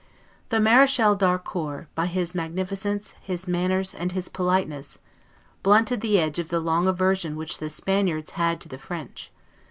The Marechal d'Harcourt, by his magnificence, his manners, and his politeness, blunted the edge of the long aversion which the Spaniards had to the French.